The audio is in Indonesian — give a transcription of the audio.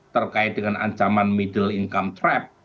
terkait dengan ancaman middle income trap